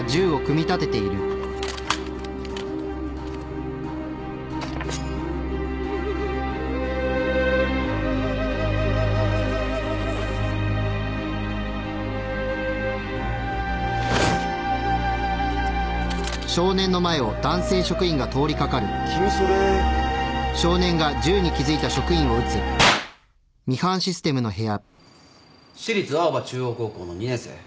私立青葉中央高校の２年生岡崎直樹。